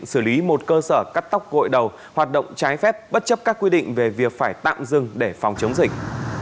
xử lý một cơ sở cắt tóc gội đầu hoạt động trái phép bất chấp các quy định về việc phải tạm dừng để phòng chống dịch